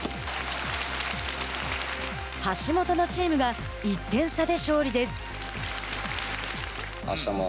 橋本のチームが１点差で勝利です。